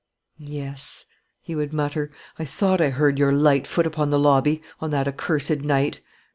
"Yes," he would mutter, "I thought I heard your light foot upon the lobby, on that accursed night.